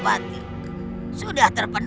hari kebangkitan kalian